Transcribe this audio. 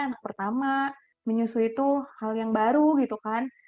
anak pertama menyusul itu hal yang baru gitu kan